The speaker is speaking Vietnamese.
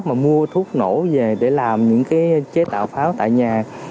mà mua thuốc nổ về để làm những cái chế tạo pháo tại nhà